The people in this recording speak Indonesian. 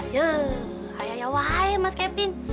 ya ayah ayah wahai mas kevin